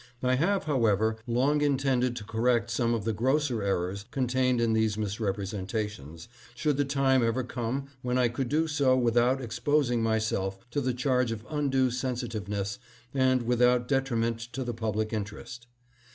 I have, however, long intended to correct some of the grosser errors contained in these misrepresentations, should the time ever come when I could do so without exposing myself to the charge of undue sensitiveness and without detriment to the public interest.